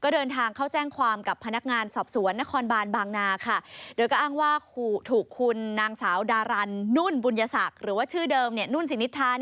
เรียกอ้างว่าถูกคุณนางสาวดารันนุนบุญสักหรือชื่อเดิมนุนสิทธา